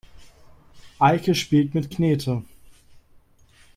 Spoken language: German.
Eike spielt mit Knete.